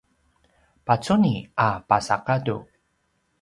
pacuni a pasa gadu